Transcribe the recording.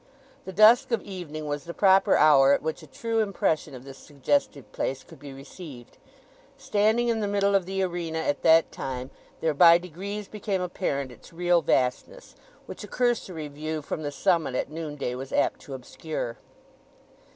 The dusk of evening was the proper hour at which a true impression of this suggestive place could be received. Standing in the middle of the arena at that time there by degrees became apparent its real vastness, which a cursory view from the summit at noon day was apt to obscure.